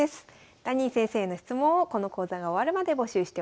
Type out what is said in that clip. ダニー先生への質問をこの講座が終わるまで募集しております。